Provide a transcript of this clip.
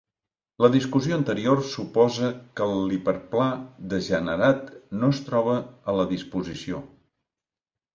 La discussió anterior suposa que l'hiperplà degenerat no es troba a la disposició.